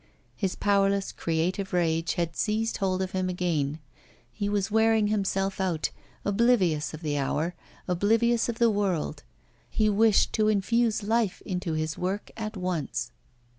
His powerless creative rage had seized hold of him again, he was wearing himself out, oblivious of the hour, oblivious of the world; he wished to infuse life into his work at once.